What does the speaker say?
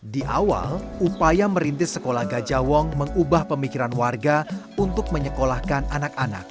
di awal upaya merintis sekolah gajah wong mengubah pemikiran warga untuk menyekolahkan anak anak